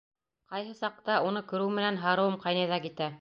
Ҡайһы саҡта... уны күреү менән һарыуым ҡайнай ҙа китә.